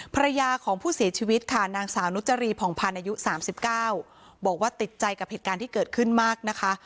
ภรรยาของผู้เสียชีวิตค่ะนางสาวนุจรีผ่องพันธ์อายุ๓๙บอกว่าติดใจกับเหตุการณ์ที่เกิดขึ้นมากนะคะ